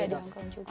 iya di hongkong juga